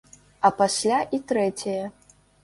А пасля і трэцяе.